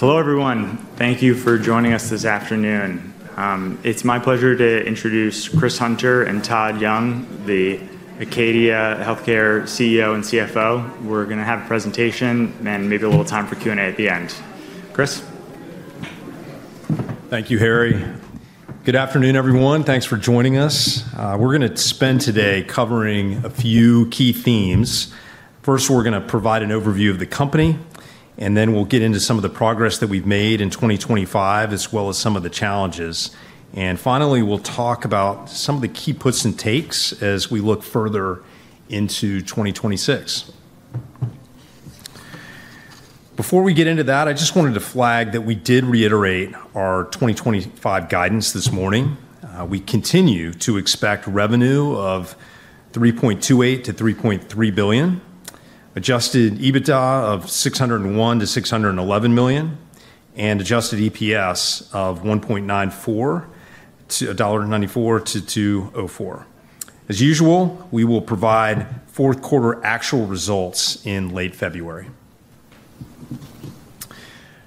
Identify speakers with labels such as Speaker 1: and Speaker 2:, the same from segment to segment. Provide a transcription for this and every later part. Speaker 1: Hello, everyone. Thank you for joining us this afternoon. It's my pleasure to introduce Chris Hunter and Todd Young, the Acadia Healthcare CEO and CFO. We're going to have a presentation and maybe a little time for Q&A at the end. Chris?
Speaker 2: Thank you, Harry. Good afternoon, everyone. Thanks for joining us. We're going to spend today covering a few key themes. First, we're going to provide an overview of the company, and then we'll get into some of the progress that we've made in 2025, as well as some of the challenges. And finally, we'll talk about some of the key puts and takes as we look further into 2026. Before we get into that, I just wanted to flag that we did reiterate our 2025 guidance this morning. We continue to expect revenue of $3.28-$3.3 billion, adjusted EBITDA of $601-$611 million, and adjusted EPS of $1.94 to $1.94 to $2.04. As usual, we will provide fourth-quarter actual results in late February.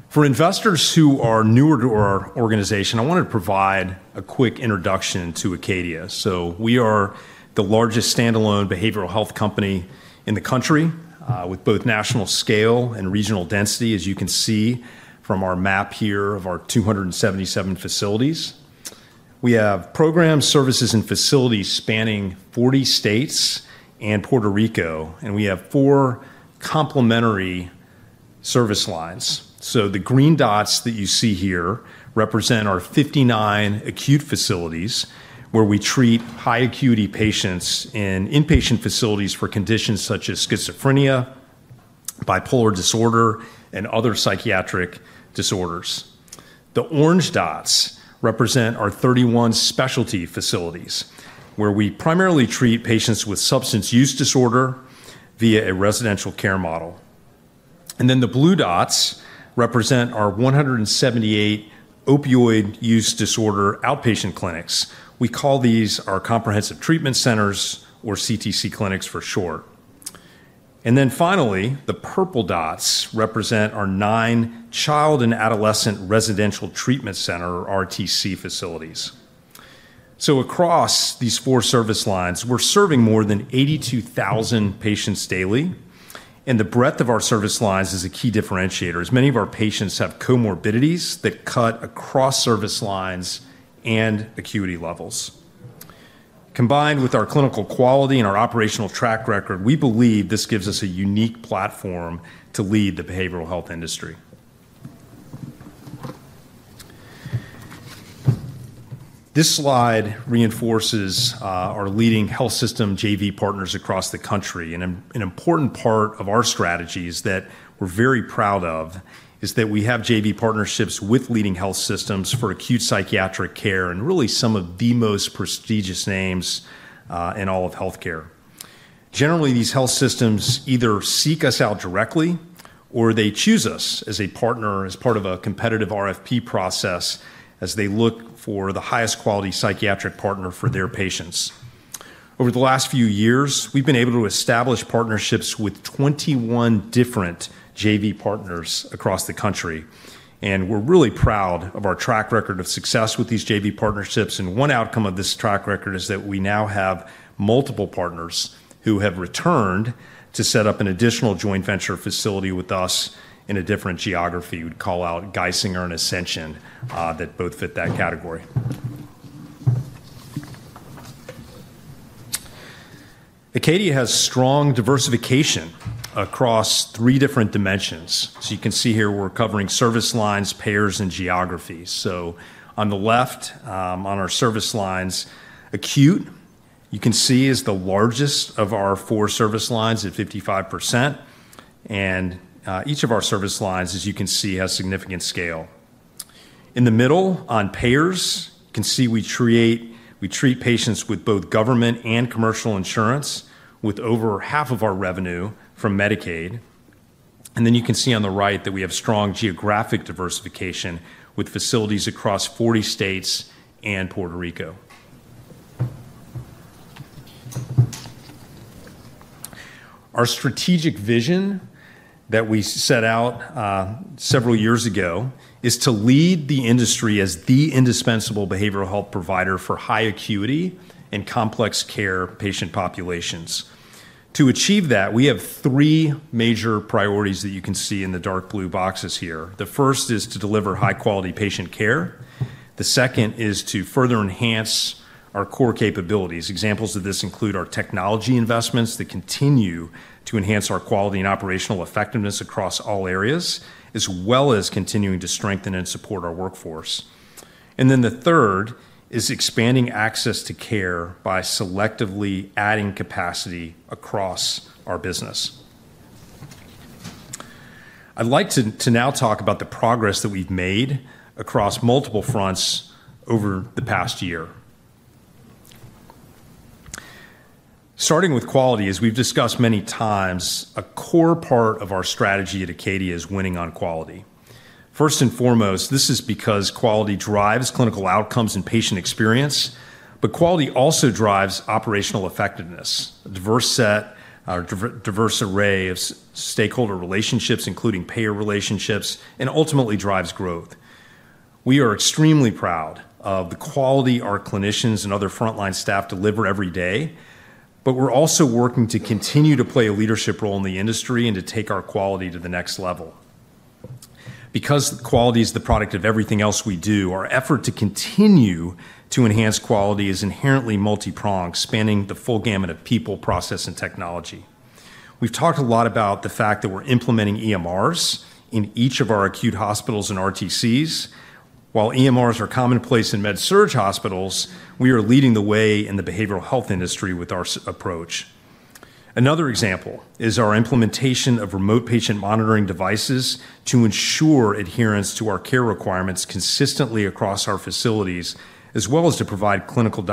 Speaker 2: For investors who are newer to our organization, I wanted to provide a quick introduction to Acadia. We are the largest standalone behavioral health company in the country, with both national scale and regional density, as you can see from our map here of our 277 facilities. We have programs, services, and facilities spanning 40 states and Puerto Rico, and we have four complementary service lines. The green dots that you see here represent our 59 acute facilities, where we treat high-acuity patients in inpatient facilities for conditions such as schizophrenia, bipolar disorder, and other psychiatric disorders. The orange dots represent our 31 specialty facilities, where we primarily treat patients with substance use disorder via a residential care model. The blue dots represent our 178 opioid use disorder outpatient clinics. We call these our comprehensive treatment centers, or CTC clinics for short. Finally, the purple dots represent our nine child and adolescent residential treatment center, or RTC facilities. So across these four service lines, we're serving more than 82,000 patients daily, and the breadth of our service lines is a key differentiator, as many of our patients have comorbidities that cut across service lines and acuity levels. Combined with our clinical quality and our operational track record, we believe this gives us a unique platform to lead the behavioral health industry. This slide reinforces our leading health system JV partners across the country. And an important part of our strategies that we're very proud of is that we have JV partnerships with leading health systems for acute psychiatric care and really some of the most prestigious names in all of healthcare. Generally, these health systems either seek us out directly or they choose us as a partner, as part of a competitive RFP process, as they look for the highest quality psychiatric partner for their patients. Over the last few years, we've been able to establish partnerships with 21 different JV partners across the country, and we're really proud of our track record of success with these JV partnerships. And one outcome of this track record is that we now have multiple partners who have returned to set up an additional joint venture facility with us in a different geography. We'd call out Geisinger and Ascension that both fit that category. Acadia has strong diversification across three different dimensions. So you can see here we're covering service lines, payers, and geographies. So on the left, on our service lines, acute, you can see is the largest of our four service lines at 55%. And each of our service lines, as you can see, has significant scale. In the middle, on payers, you can see we treat patients with both government and commercial insurance, with over half of our revenue from Medicaid, and then you can see on the right that we have strong geographic diversification with facilities across 40 states and Puerto Rico. Our strategic vision that we set out several years ago is to lead the industry as the indispensable behavioral health provider for high acuity and complex care patient populations. To achieve that, we have three major priorities that you can see in the dark blue boxes here. The first is to deliver high-quality patient care. The second is to further enhance our core capabilities. Examples of this include our technology investments that continue to enhance our quality and operational effectiveness across all areas, as well as continuing to strengthen and support our workforce. Then the third is expanding access to care by selectively adding capacity across our business. I'd like to now talk about the progress that we've made across multiple fronts over the past year. Starting with quality, as we've discussed many times, a core part of our strategy at Acadia is winning on quality. First and foremost, this is because quality drives clinical outcomes and patient experience, but quality also drives operational effectiveness, a diverse set, a diverse array of stakeholder relationships, including payer relationships, and ultimately drives growth. We are extremely proud of the quality our clinicians and other frontline staff deliver every day, but we're also working to continue to play a leadership role in the industry and to take our quality to the next level. Because quality is the product of everything else we do, our effort to continue to enhance quality is inherently multi-pronged, spanning the full gamut of people, process, and technology. We've talked a lot about the fact that we're implementing EMRs in each of our acute hospitals and RTCs. While EMRs are commonplace in med-surg hospitals, we are leading the way in the behavioral health industry with our approach. Another example is our implementation of remote patient monitoring devices to ensure adherence to our care requirements consistently across our facilities, as well as to provide critical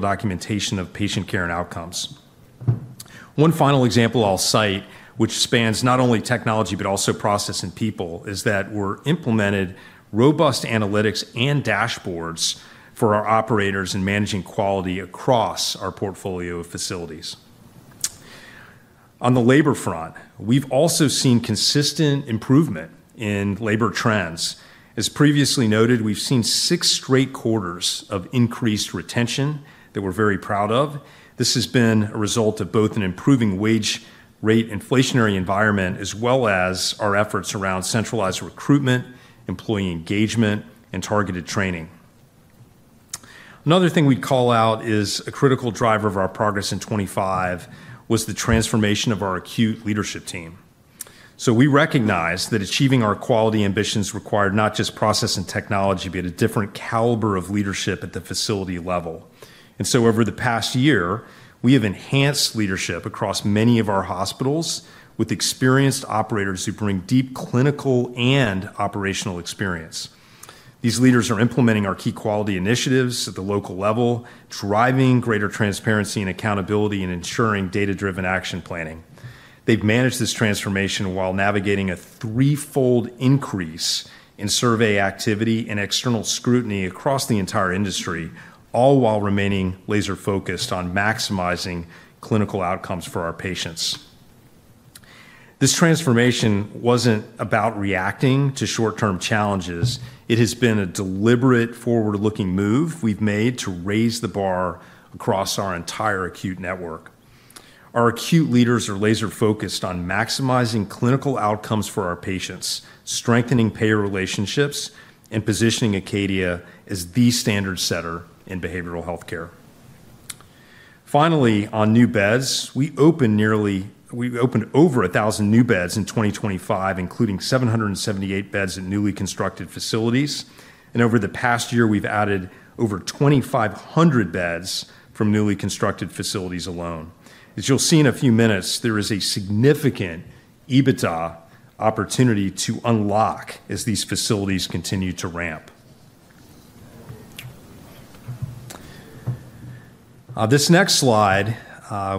Speaker 2: documentation of patient care and outcomes. One final example I'll cite, which spans not only technology but also process and people, is that we're implementing robust analytics and dashboards for our operators in managing quality across our portfolio of facilities. On the labor front, we've also seen consistent improvement in labor trends. As previously noted, we've seen six straight quarters of increased retention that we're very proud of. This has been a result of both an improving wage rate inflationary environment, as well as our efforts around centralized recruitment, employee engagement, and targeted training. Another thing we'd call out is a critical driver of our progress in 2025 was the transformation of our acute leadership team. So we recognize that achieving our quality ambitions required not just process and technology, but a different caliber of leadership at the facility level. And so over the past year, we have enhanced leadership across many of our hospitals with experienced operators who bring deep clinical and operational experience. These leaders are implementing our key quality initiatives at the local level, driving greater transparency and accountability and ensuring data-driven action planning. They've managed this transformation while navigating a threefold increase in survey activity and external scrutiny across the entire industry, all while remaining laser-focused on maximizing clinical outcomes for our patients. This transformation wasn't about reacting to short-term challenges. It has been a deliberate forward-looking move we've made to raise the bar across our entire acute network. Our acute leaders are laser-focused on maximizing clinical outcomes for our patients, strengthening payer relationships, and positioning Acadia as the standard setter in behavioral healthcare. Finally, on new beds, we opened over 1,000 new beds in 2025, including 778 beds at newly constructed facilities. And over the past year, we've added over 2,500 beds from newly constructed facilities alone. As you'll see in a few minutes, there is a significant EBITDA opportunity to unlock as these facilities continue to ramp. This next slide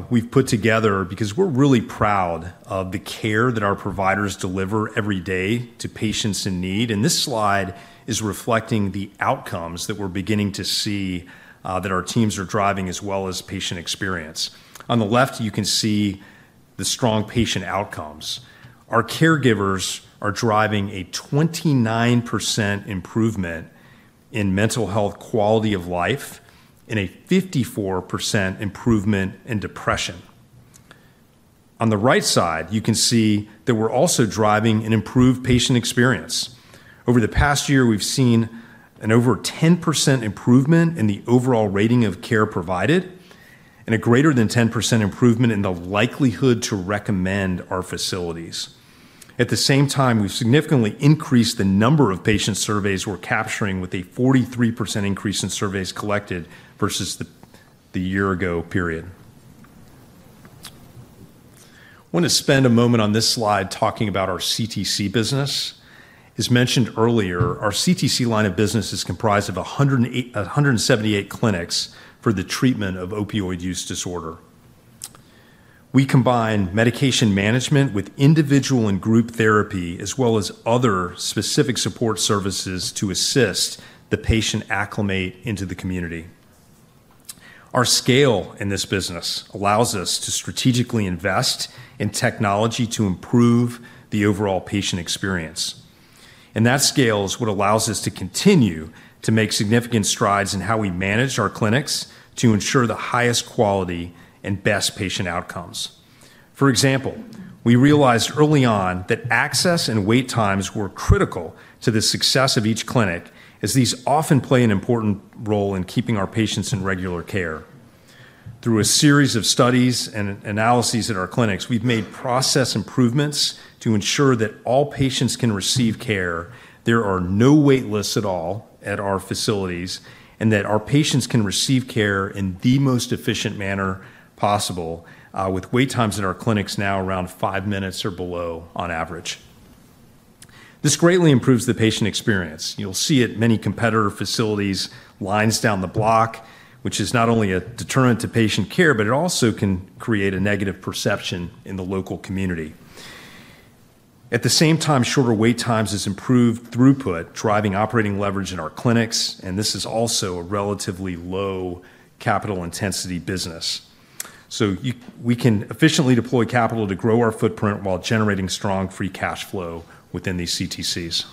Speaker 2: we've put together because we're really proud of the care that our providers deliver every day to patients in need, and this slide is reflecting the outcomes that we're beginning to see that our teams are driving, as well as patient experience. On the left, you can see the strong patient outcomes. Our caregivers are driving a 29% improvement in mental health quality of life and a 54% improvement in depression. On the right side, you can see that we're also driving an improved patient experience. Over the past year, we've seen an over 10% improvement in the overall rating of care provided and a greater than 10% improvement in the likelihood to recommend our facilities. At the same time, we've significantly increased the number of patient surveys we're capturing, with a 43% increase in surveys collected versus the year ago period. I want to spend a moment on this slide talking about our CTC business. As mentioned earlier, our CTC line of business is comprised of 178 clinics for the treatment of opioid use disorder. We combine medication management with individual and group therapy, as well as other specific support services to assist the patient acclimate into the community. Our scale in this business allows us to strategically invest in technology to improve the overall patient experience. And that scale is what allows us to continue to make significant strides in how we manage our clinics to ensure the highest quality and best patient outcomes. For example, we realized early on that access and wait times were critical to the success of each clinic, as these often play an important role in keeping our patients in regular care. Through a series of studies and analyses at our clinics, we've made process improvements to ensure that all patients can receive care, there are no waitlists at all at our facilities, and that our patients can receive care in the most efficient manner possible, with wait times at our clinics now around five minutes or below on average. This greatly improves the patient experience. You'll see at many competitor facilities, lines down the block, which is not only a deterrent to patient care, but it also can create a negative perception in the local community. At the same time, shorter wait times has improved throughput, driving operating leverage in our clinics, and this is also a relatively low capital intensity business. So we can efficiently deploy capital to grow our footprint while generating strong free cash flow within these CTCs.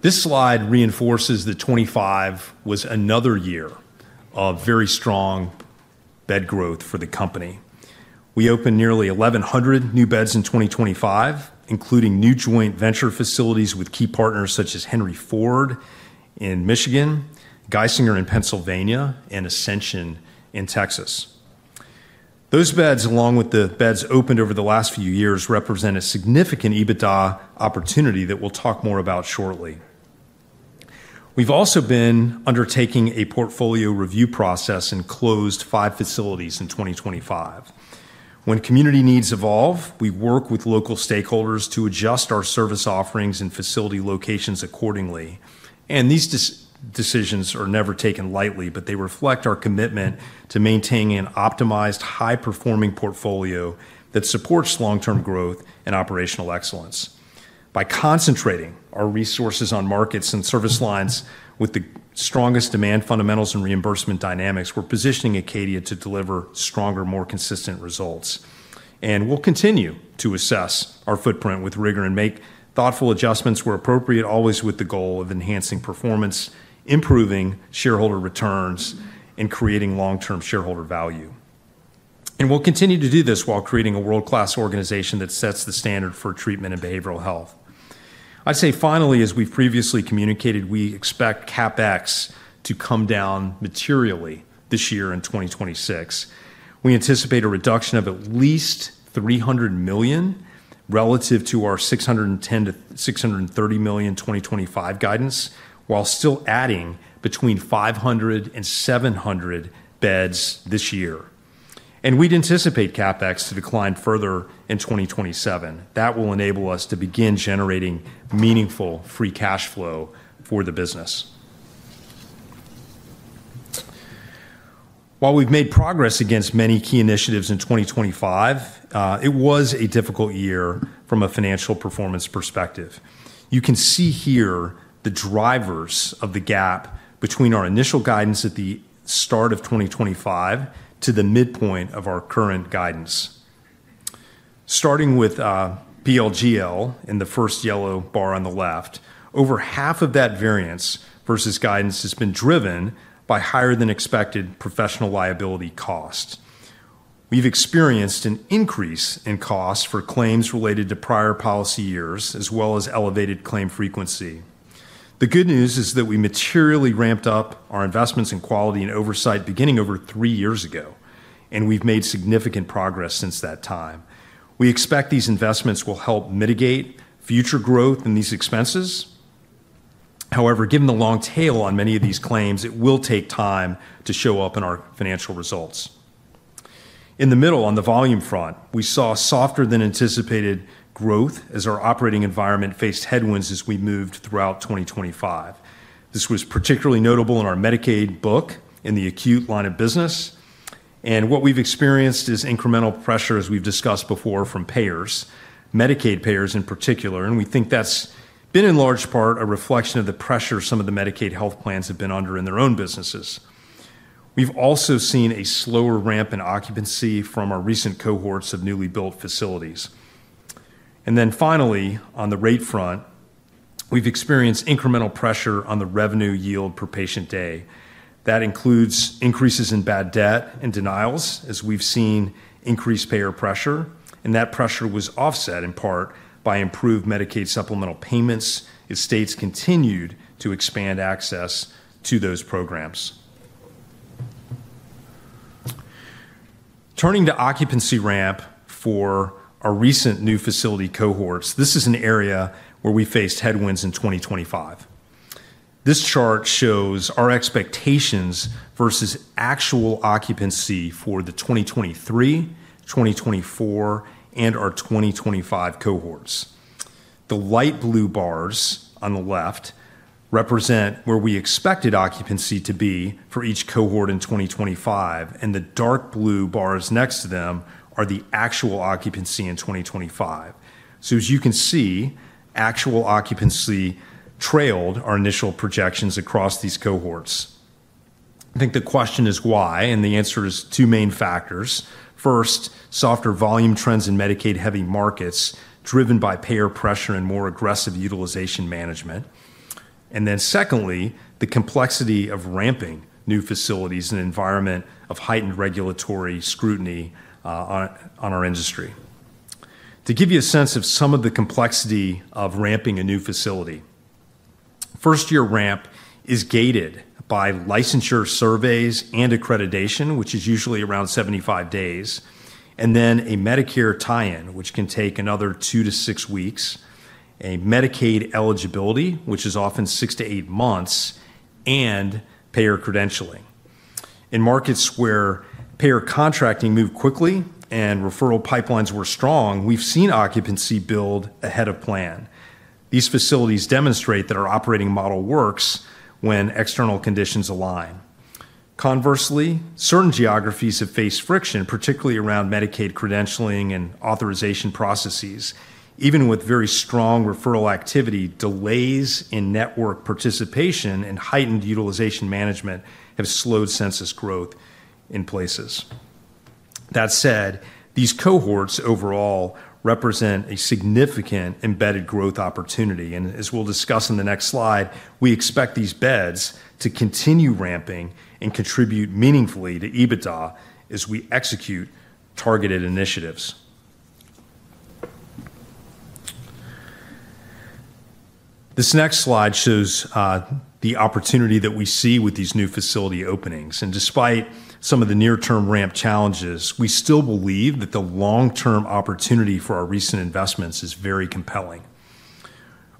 Speaker 2: This slide reinforces that 2025 was another year of very strong bed growth for the company. We opened nearly 1,100 new beds in 2025, including new joint venture facilities with key partners such as Henry Ford in Michigan, Geisinger in Pennsylvania, and Ascension in Texas. Those beds, along with the beds opened over the last few years, represent a significant EBITDA opportunity that we'll talk more about shortly. We've also been undertaking a portfolio review process and closed five facilities in 2025. When community needs evolve, we work with local stakeholders to adjust our service offerings and facility locations accordingly, and these decisions are never taken lightly, but they reflect our commitment to maintaining an optimized, high-performing portfolio that supports long-term growth and operational excellence. By concentrating our resources on markets and service lines with the strongest demand fundamentals and reimbursement dynamics, we're positioning Acadia to deliver stronger, more consistent results, and we'll continue to assess our footprint with rigor and make thoughtful adjustments where appropriate, always with the goal of enhancing performance, improving shareholder returns, and creating long-term shareholder value, and we'll continue to do this while creating a world-class organization that sets the standard for treatment and behavioral health. I'd say finally, as we've previously communicated, we expect CapEx to come down materially this year in 2026. We anticipate a reduction of at least $300 million relative to our $610 million-$630 million 2025 guidance, while still adding between 500 and 700 beds this year, and we'd anticipate CapEx to decline further in 2027. That will enable us to begin generating meaningful free cash flow for the business. While we've made progress against many key initiatives in 2025, it was a difficult year from a financial performance perspective. You can see here the drivers of the gap between our initial guidance at the start of 2025 to the midpoint of our current guidance. Starting with PL/GL in the first yellow bar on the left, over half of that variance versus guidance has been driven by higher-than-expected professional liability cost. We've experienced an increase in cost for claims related to prior policy years, as well as elevated claim frequency. The good news is that we materially ramped up our investments in quality and oversight beginning over three years ago, and we've made significant progress since that time. We expect these investments will help mitigate future growth in these expenses. However, given the long tail on many of these claims, it will take time to show up in our financial results. In the middle, on the volume front, we saw softer-than-anticipated growth as our operating environment faced headwinds as we moved throughout 2025. This was particularly notable in our Medicaid book in the acute line of business, and what we've experienced is incremental pressure, as we've discussed before, from payers, Medicaid payers in particular, and we think that's been, in large part, a reflection of the pressure some of the Medicaid health plans have been under in their own businesses. We've also seen a slower ramp in occupancy from our recent cohorts of newly built facilities, and then finally, on the rate front, we've experienced incremental pressure on the revenue yield per patient day. That includes increases in bad debt and denials, as we've seen increased payer pressure. And that pressure was offset, in part, by improved Medicaid supplemental payments as states continued to expand access to those programs. Turning to occupancy ramp for our recent new facility cohorts, this is an area where we faced headwinds in 2025. This chart shows our expectations versus actual occupancy for the 2023, 2024, and our 2025 cohorts. The light blue bars on the left represent where we expected occupancy to be for each cohort in 2025, and the dark blue bars next to them are the actual occupancy in 2025. So as you can see, actual occupancy trailed our initial projections across these cohorts. I think the question is why, and the answer is two main factors. First, softer volume trends in Medicaid-heavy markets driven by payer pressure and more aggressive utilization management. And then secondly, the complexity of ramping new facilities in an environment of heightened regulatory scrutiny on our industry. To give you a sense of some of the complexity of ramping a new facility, first-year ramp is gated by licensure surveys and accreditation, which is usually around 75 days, and then a Medicare tie-in, which can take another two to six weeks, a Medicaid eligibility, which is often six to eight months, and payer credentialing. In markets where payer contracting moved quickly and referral pipelines were strong, we've seen occupancy build ahead of plan. These facilities demonstrate that our operating model works when external conditions align. Conversely, certain geographies have faced friction, particularly around Medicaid credentialing and authorization processes. Even with very strong referral activity, delays in network participation and heightened utilization management have slowed census growth in places. That said, these cohorts overall represent a significant embedded growth opportunity. As we'll discuss in the next slide, we expect these beds to continue ramping and contribute meaningfully to EBITDA as we execute targeted initiatives. This next slide shows the opportunity that we see with these new facility openings. Despite some of the near-term ramp challenges, we still believe that the long-term opportunity for our recent investments is very compelling.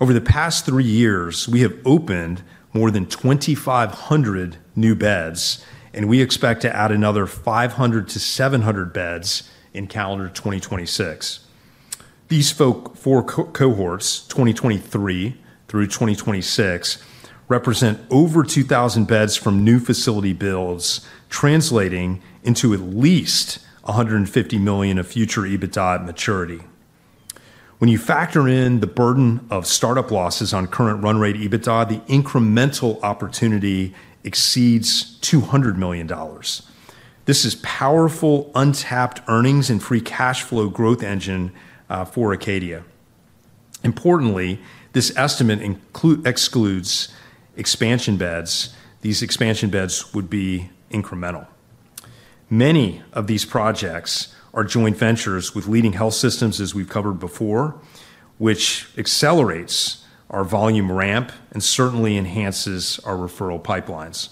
Speaker 2: Over the past three years, we have opened more than 2,500 new beds, and we expect to add another 500-700 beds in calendar 2026. These four cohorts, 2023 through 2026, represent over 2,000 beds from new facility builds, translating into at least $150 million of future EBITDA at maturity. When you factor in the burden of startup losses on current run rate EBITDA, the incremental opportunity exceeds $200 million. This is powerful, untapped earnings and free cash flow growth engine for Acadia. Importantly, this estimate excludes expansion beds. These expansion beds would be incremental. Many of these projects are joint ventures with leading health systems, as we've covered before, which accelerates our volume ramp and certainly enhances our referral pipelines.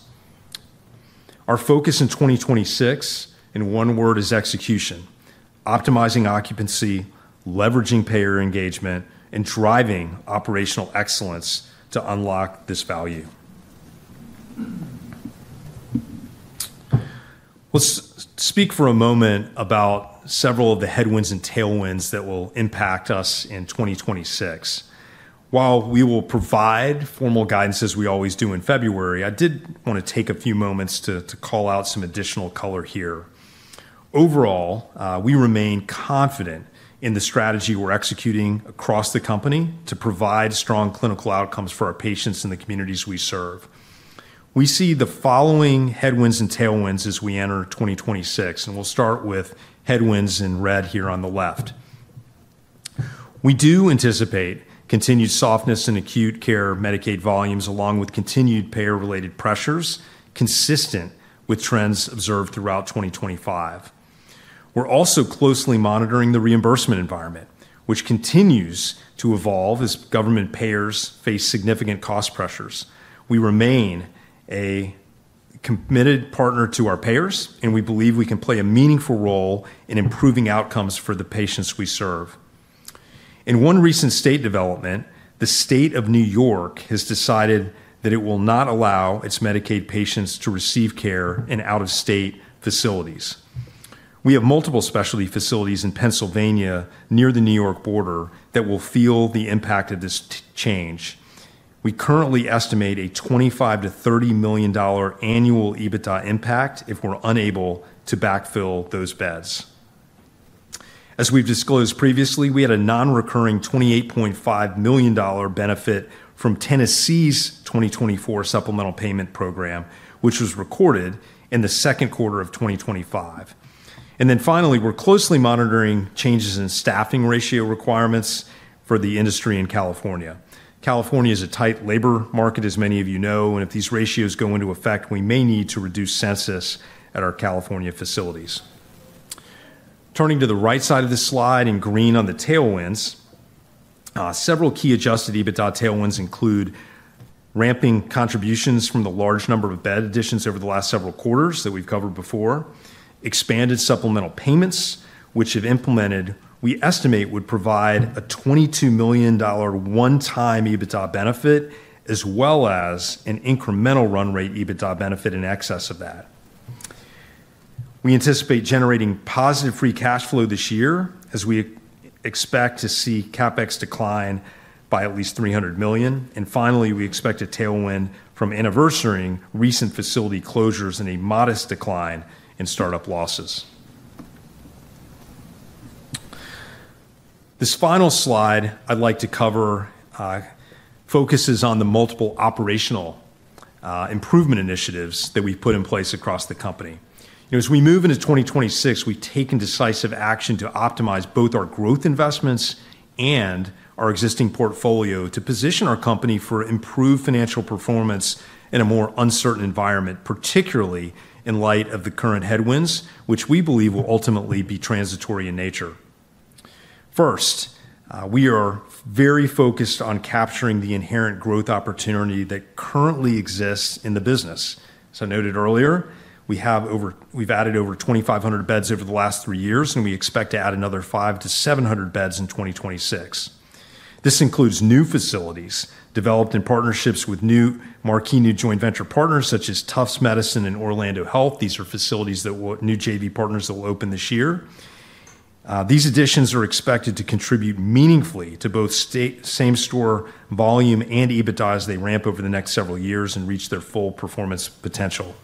Speaker 2: Our focus in 2026, in one word, is execution, optimizing occupancy, leveraging payer engagement, and driving operational excellence to unlock this value. Let's speak for a moment about several of the headwinds and tailwinds that will impact us in 2026. While we will provide formal guidance, as we always do in February, I did want to take a few moments to call out some additional color here. Overall, we remain confident in the strategy we're executing across the company to provide strong clinical outcomes for our patients and the communities we serve. We see the following headwinds and tailwinds as we enter 2026, and we'll start with headwinds in red here on the left. We do anticipate continued softness in acute care Medicaid volumes, along with continued payer-related pressures consistent with trends observed throughout 2025. We're also closely monitoring the reimbursement environment, which continues to evolve as government payers face significant cost pressures. We remain a committed partner to our payers, and we believe we can play a meaningful role in improving outcomes for the patients we serve. In one recent state development, the state of New York has decided that it will not allow its Medicaid patients to receive care in out-of-state facilities. We have multiple specialty facilities in Pennsylvania near the New York border that will feel the impact of this change. We currently estimate a $25-$30 million annual EBITDA impact if we're unable to backfill those beds. As we've disclosed previously, we had a non-recurring $28.5 million benefit from Tennessee's 2024 supplemental payment program, which was recorded in the second quarter of 2025. And then finally, we're closely monitoring changes in staffing ratio requirements for the industry in California. California is a tight labor market, as many of you know, and if these ratios go into effect, we may need to reduce census at our California facilities. Turning to the right side of this slide in green on the tailwinds, several key adjusted EBITDA tailwinds include ramping contributions from the large number of bed additions over the last several quarters that we've covered before, expanded supplemental payments, which, if implemented, we estimate would provide a $22 million one-time EBITDA benefit, as well as an incremental run rate EBITDA benefit in excess of that. We anticipate generating positive free cash flow this year, as we expect to see CapEx decline by at least $300 million, and finally, we expect a tailwind from anniversary recent facility closures and a modest decline in startup losses. This final slide I'd like to cover focuses on the multiple operational improvement initiatives that we've put in place across the company. As we move into 2026, we've taken decisive action to optimize both our growth investments and our existing portfolio to position our company for improved financial performance in a more uncertain environment, particularly in light of the current headwinds, which we believe will ultimately be transitory in nature. First, we are very focused on capturing the inherent growth opportunity that currently exists in the business. As I noted earlier, we've added over 2,500 beds over the last three years, and we expect to add another 500-700 beds in 2026. This includes new facilities developed in partnerships with new marquee joint venture partners such as Tufts Medicine and Orlando Health. These are facilities that new JV partners will open this year. These additions are expected to contribute meaningfully to both same-store volume and EBITDA as they ramp over the next several years and reach their full performance potential.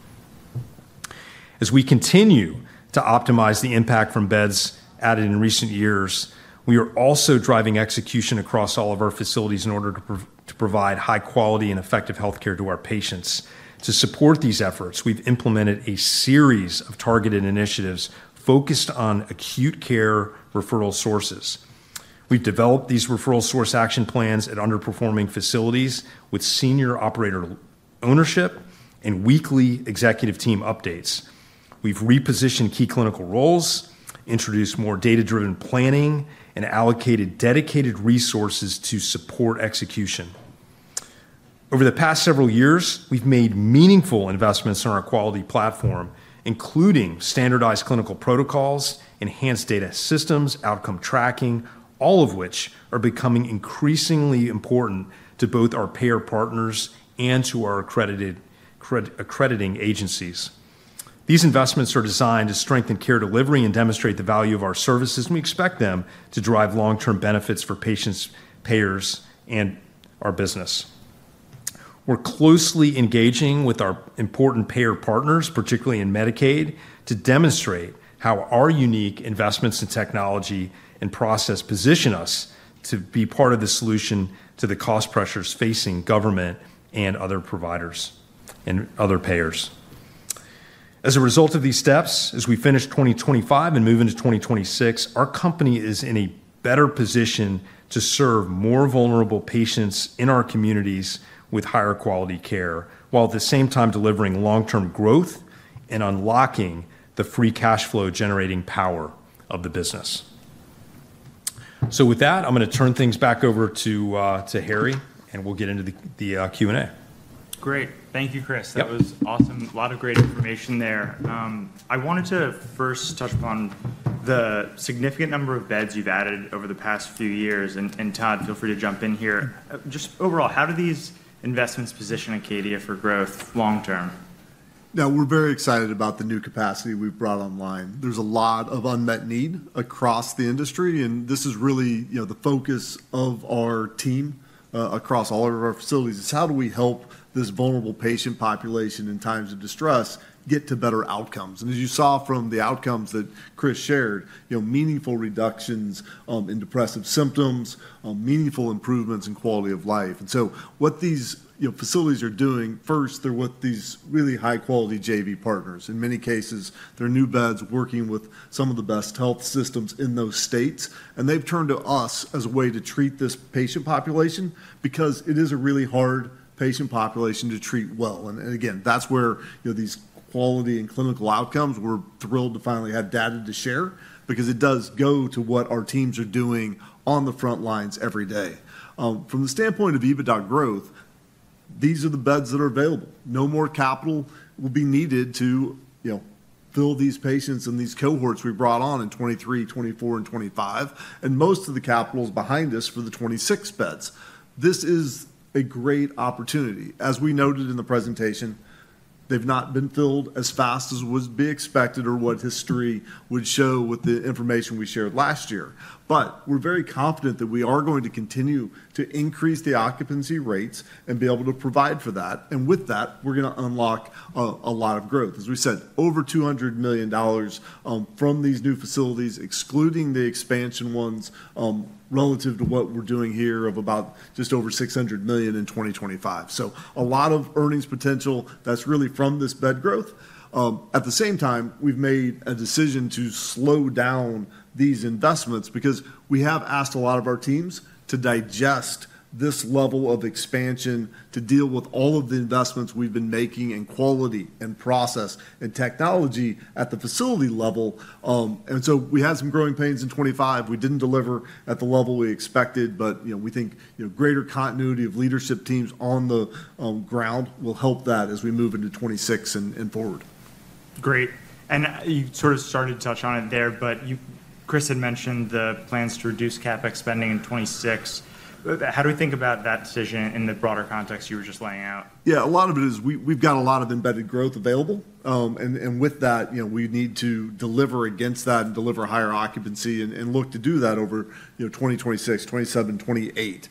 Speaker 2: As we continue to optimize the impact from beds added in recent years, we are also driving execution across all of our facilities in order to provide high-quality and effective healthcare to our patients. To support these efforts, we've implemented a series of targeted initiatives focused on acute care referral sources. We've developed these referral source action plans at underperforming facilities with senior operator ownership and weekly executive team updates. We've repositioned key clinical roles, introduced more data-driven planning, and allocated dedicated resources to support execution. Over the past several years, we've made meaningful investments in our quality platform, including standardized clinical protocols, enhanced data systems, outcome tracking, all of which are becoming increasingly important to both our payer partners and to our accrediting agencies. These investments are designed to strengthen care delivery and demonstrate the value of our services, and we expect them to drive long-term benefits for patients, payers, and our business. We're closely engaging with our important payer partners, particularly in Medicaid, to demonstrate how our unique investments in technology and process position us to be part of the solution to the cost pressures facing government and other providers and other payers. As a result of these steps, as we finish 2025 and move into 2026, our company is in a better position to serve more vulnerable patients in our communities with higher quality care while at the same time delivering long-term growth and unlocking the free cash flow generating power of the business. So with that, I'm going to turn things back over to Harry, and we'll get into the Q&A.
Speaker 1: Great. Thank you, Chris. That was awesome. A lot of great information there. I wanted to first touch upon the significant number of beds you've added over the past few years, and Todd, feel free to jump in here. Just overall, how do these investments position Acadia for growth long-term?
Speaker 3: Yeah, we're very excited about the new capacity we've brought online. There's a lot of unmet need across the industry, and this is really the focus of our team across all of our facilities. It's how do we help this vulnerable patient population in times of distress get to better outcomes? And as you saw from the outcomes that Chris shared, meaningful reductions in depressive symptoms, meaningful improvements in quality of life. And so what these facilities are doing, first, they're with these really high-quality JV partners. In many cases, they're new beds working with some of the best health systems in those states, and they've turned to us as a way to treat this patient population because it is a really hard patient population to treat well. And again, that's where these quality and clinical outcomes, we're thrilled to finally have data to share because it does go to what our teams are doing on the front lines every day. From the standpoint of EBITDA growth, these are the beds that are available. No more capital will be needed to fill these patients and these cohorts we brought on in 2023, 2024, and 2025, and most of the capital is behind us for the 2026 beds. This is a great opportunity. As we noted in the presentation, they've not been filled as fast as would be expected or what history would show with the information we shared last year. But we're very confident that we are going to continue to increase the occupancy rates and be able to provide for that. And with that, we're going to unlock a lot of growth. As we said, over $200 million from these new facilities, excluding the expansion ones relative to what we're doing here of about just over $600 million in 2025. So a lot of earnings potential that's really from this bed growth. At the same time, we've made a decision to slow down these investments because we have asked a lot of our teams to digest this level of expansion to deal with all of the investments we've been making in quality and process and technology at the facility level. And so we had some growing pains in 2025. We didn't deliver at the level we expected, but we think greater continuity of leadership teams on the ground will help that as we move into 2026 and forward.
Speaker 1: Great. And you sort of started to touch on it there, but Chris had mentioned the plans to reduce CapEx spending in 2026. How do we think about that decision in the broader context you were just laying out?
Speaker 3: Yeah, a lot of it is we've got a lot of embedded growth available, and with that, we need to deliver against that and deliver higher occupancy and look to do that over 2026, 2027, 2028.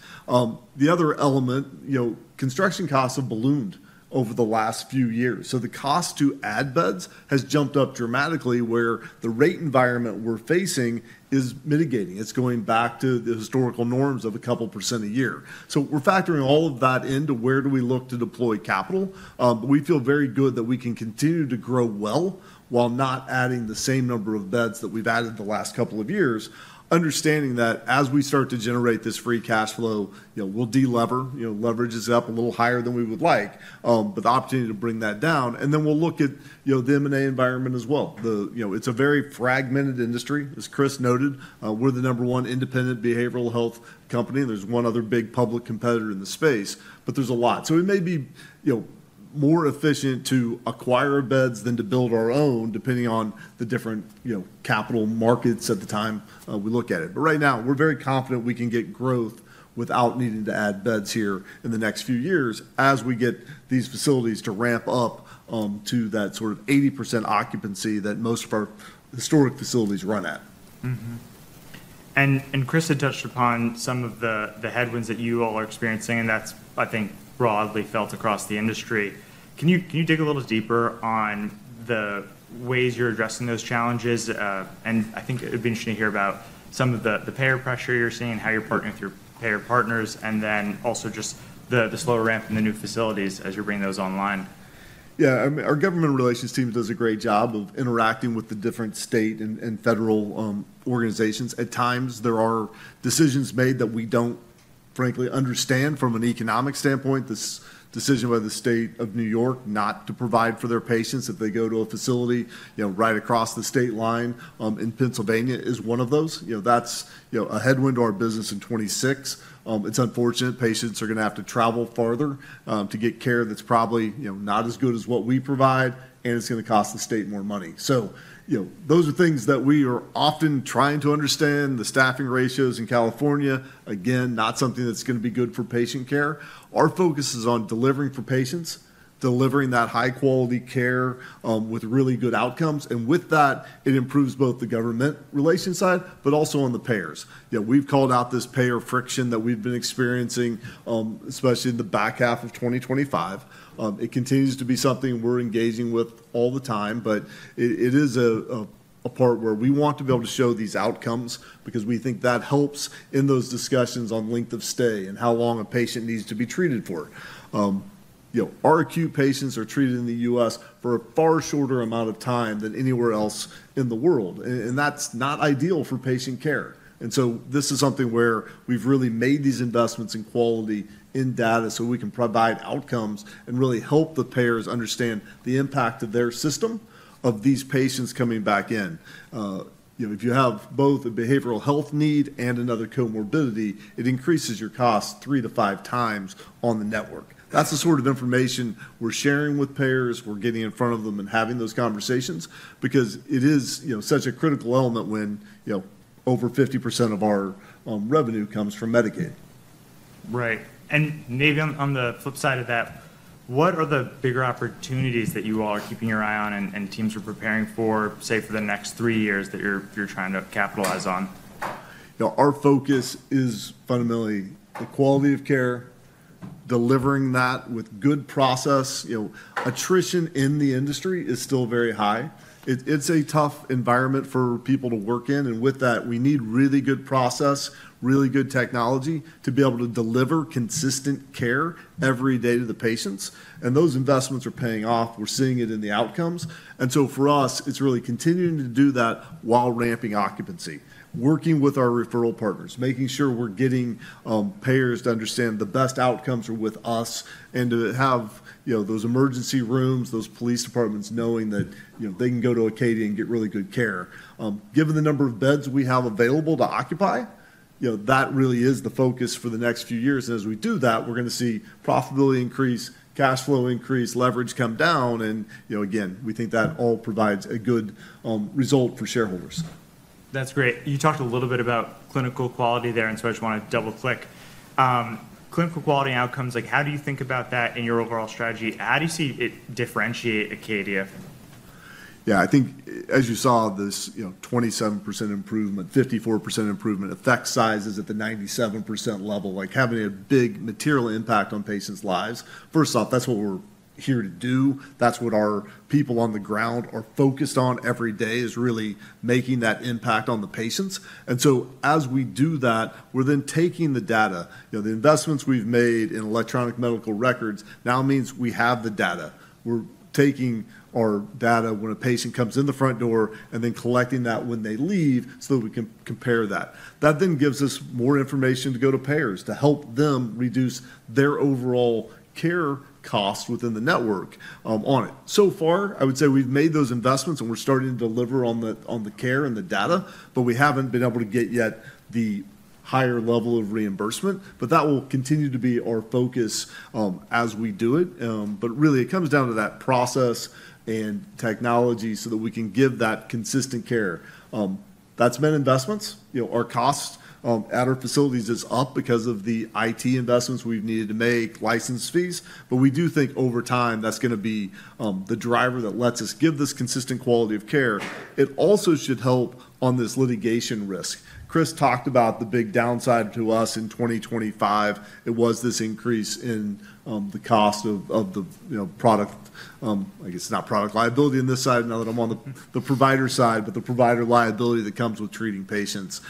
Speaker 3: The other element, construction costs have ballooned over the last few years. So the cost to add beds has jumped up dramatically where the rate environment we're facing is mitigating. It's going back to the historical norms of a couple% a year. So we're factoring all of that into where do we look to deploy capital. But we feel very good that we can continue to grow well while not adding the same number of beds that we've added the last couple of years, understanding that as we start to generate this free cash flow, we'll deleverage up a little higher than we would like, but the opportunity to bring that down. And then we'll look at the M&A environment as well. It's a very fragmented industry. As Chris noted, we're the number one independent behavioral health company. There's one other big public competitor in the space, but there's a lot. So it may be more efficient to acquire beds than to build our own, depending on the different capital markets at the time we look at it. But right now, we're very confident we can get growth without needing to add beds here in the next few years as we get these facilities to ramp up to that sort of 80% occupancy that most of our historic facilities run at.
Speaker 1: And Chris had touched upon some of the headwinds that you all are experiencing, and that's, I think, broadly felt across the industry. Can you dig a little deeper on the ways you're addressing those challenges? And I think it'd be interesting to hear about some of the payer pressure you're seeing and how you're partnering with your payer partners, and then also just the slower ramp in the new facilities as you're bringing those online.
Speaker 3: Yeah, our government relations team does a great job of interacting with the different state and federal organizations. At times, there are decisions made that we don't, frankly, understand from an economic standpoint. This decision by the State of New York not to provide for their patients if they go to a facility right across the state line in Pennsylvania is one of those. That's a headwind to our business in 2026. It's unfortunate. Patients are going to have to travel farther to get care that's probably not as good as what we provide, and it's going to cost the state more money. So those are things that we are often trying to understand. The staffing ratios in California, again, not something that's going to be good for patient care. Our focus is on delivering for patients, delivering that high-quality care with really good outcomes. And with that, it improves both the government relations side, but also on the payers. We've called out this payer friction that we've been experiencing, especially in the back half of 2025. It continues to be something we're engaging with all the time, but it is a part where we want to be able to show these outcomes because we think that helps in those discussions on length of stay and how long a patient needs to be treated for. Our acute patients are treated in the U.S. for a far shorter amount of time than anywhere else in the world, and that's not ideal for patient care. This is something where we've really made these investments in quality in data so we can provide outcomes and really help the payers understand the impact of their system of these patients coming back in. If you have both a behavioral health need and another comorbidity, it increases your cost three to five times on the network. That's the sort of information we're sharing with payers. We're getting in front of them and having those conversations because it is such a critical element when over 50% of our revenue comes from Medicaid.
Speaker 1: Right. Maybe on the flip side of that, what are the bigger opportunities that you all are keeping your eye on and teams are preparing for, say, for the next three years that you're trying to capitalize on?
Speaker 3: Our focus is fundamentally the quality of care, delivering that with good process. Attrition in the industry is still very high. It's a tough environment for people to work in. And with that, we need really good process, really good technology to be able to deliver consistent care every day to the patients. And those investments are paying off. We're seeing it in the outcomes. And so for us, it's really continuing to do that while ramping occupancy, working with our referral partners, making sure we're getting payers to understand the best outcomes are with us and to have those emergency rooms, those police departments knowing that they can go to Acadia and get really good care. Given the number of beds we have available to occupy, that really is the focus for the next few years. And as we do that, we're going to see profitability increase, cash flow increase, leverage come down. And again, we think that all provides a good result for shareholders.
Speaker 1: That's great. You talked a little bit about clinical quality there, and so I just want to double-click. Clinical quality outcomes, how do you think about that in your overall strategy? How do you see it differentiate Acadia?
Speaker 3: Yeah, I think, as you saw, this 27% improvement, 54% improvement, effect sizes at the 97% level, having a big material impact on patients' lives. First off, that's what we're here to do. That's what our people on the ground are focused on every day is really making that impact on the patients. And so as we do that, we're then taking the data. The investments we've made in electronic medical records now means we have the data. We're taking our data when a patient comes in the front door and then collecting that when they leave so that we can compare that. That then gives us more information to go to payers to help them reduce their overall care costs within the network on it. So far, I would say we've made those investments and we're starting to deliver on the care and the data, but we haven't been able to get yet the higher level of reimbursement. But that will continue to be our focus as we do it. But really, it comes down to that process and technology so that we can give that consistent care. That's been investments. Our cost at our facilities is up because of the IT investments we've needed to make, license fees. But we do think over time that's going to be the driver that lets us give this consistent quality of care. It also should help on this litigation risk. Chris talked about the big downside to us in 2025. It was this increase in the cost of the product. I guess it's not product liability on this side now that I'm on the provider side, but the provider liability that comes with treating patients.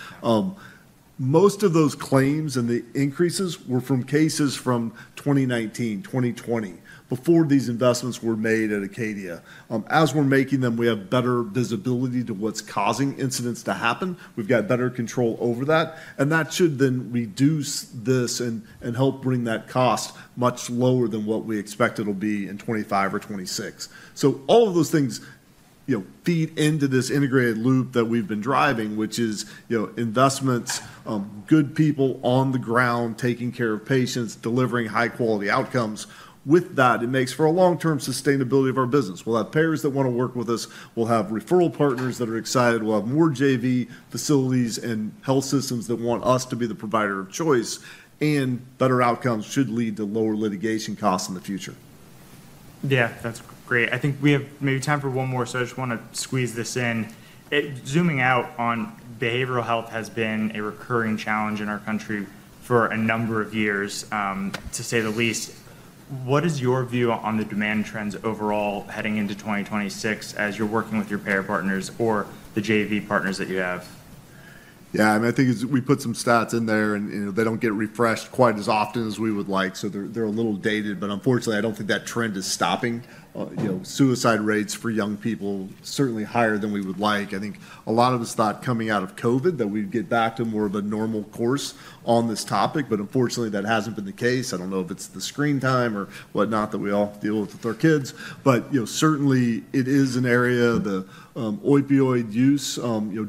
Speaker 3: Most of those claims and the increases were from cases from 2019, 2020, before these investments were made at Acadia. As we're making them, we have better visibility to what's causing incidents to happen. We've got better control over that. And that should then reduce this and help bring that cost much lower than what we expect it'll be in 2025 or 2026. So all of those things feed into this integrated loop that we've been driving, which is investments, good people on the ground, taking care of patients, delivering high-quality outcomes. With that, it makes for a long-term sustainability of our business. We'll have payers that want to work with us. We'll have referral partners that are excited. We'll have more JV facilities and health systems that want us to be the provider of choice. And better outcomes should lead to lower litigation costs in the future.
Speaker 1: Yeah, that's great. I think we have maybe time for one more, so I just want to squeeze this in. Zooming out on behavioral health has been a recurring challenge in our country for a number of years, to say the least. What is your view on the demand trends overall heading into 2026 as you're working with your payer partners or the JV partners that you have?
Speaker 3: Yeah, I mean, I think we put some stats in there, and they don't get refreshed quite as often as we would like, so they're a little dated. But unfortunately, I don't think that trend is stopping. Suicide rates for young people are certainly higher than we would like. I think a lot of us thought coming out of COVID that we'd get back to more of a normal course on this topic, but unfortunately, that hasn't been the case. I don't know if it's the screen time or whatnot that we all deal with with our kids. But certainly, it is an area. The opioid use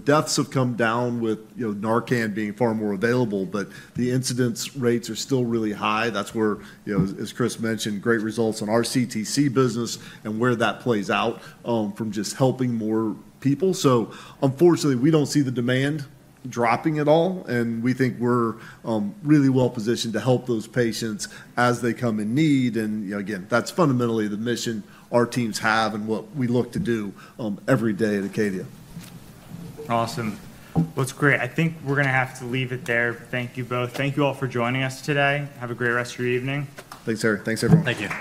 Speaker 3: deaths have come down with Narcan being far more available, but the incidence rates are still really high. That's where, as Chris mentioned, great results on our CTC business and where that plays out from just helping more people. So unfortunately, we don't see the demand dropping at all, and we think we're really well-positioned to help those patients as they come in need, and again, that's fundamentally the mission our teams have and what we look to do every day at Acadia.
Speaker 1: Awesome. Well, that's great. I think we're going to have to leave it there. Thank you both. Thank you all for joining us today. Have a great rest of your evening.
Speaker 3: Thanks, Harry. Thanks, everyone.
Speaker 1: Thank you.